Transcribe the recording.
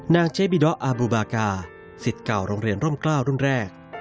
นางเชบิดออาบูบากาสิทธิ์เก่าโรงเรียนร่มกล้าวรุ่นแรก